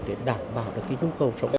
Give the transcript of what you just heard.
để đảm bảo được cái nhu cầu sống